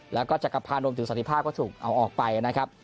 แล้วก็จากกับพาโนมถือสธิพาคก็ถูกเอาออกไปนะครับ